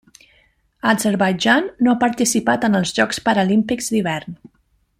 Azerbaidjan no ha participat en els Jocs Paralímpics d'Hivern.